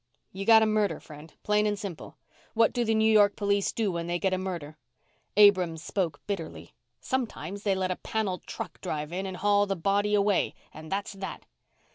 "You got a murder, friend. Plain and simple. What do the New York police do when they get a murder?" Abrams spoke bitterly. "Sometimes they let a panel truck drive in and haul the body away and that's that."